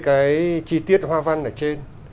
cái chi tiết hoa văn ở trên